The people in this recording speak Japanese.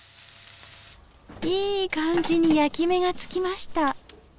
いい感じに焼き目がつきました。